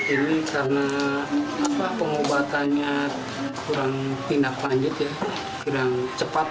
ini karena pengobatannya kurang tindak lanjut ya kurang cepat